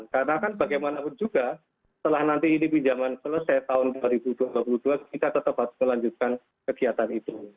karena kan bagaimanapun juga setelah nanti ini pinjaman selesai tahun dua ribu dua puluh dua kita tetap harus melanjutkan kegiatan itu